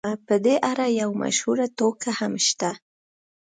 په دې اړه یوه مشهوره ټوکه هم شته.